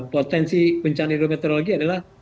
potensi bencana hidrometeorologi adalah